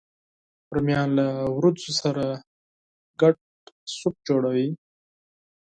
رومیان له ورېجو سره ګډ سوپ جوړوي